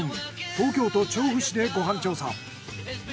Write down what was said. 東京都調布市でご飯調査。